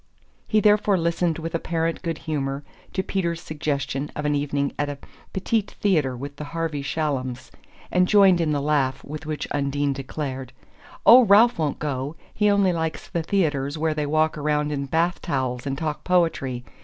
He therefore listened with apparent good humour to Peter's suggestion of an evening at a petit theatre with the Harvey Shallums, and joined in the laugh with which Undine declared: "Oh, Ralph won't go he only likes the theatres where they walk around in bathtowels and talk poetry.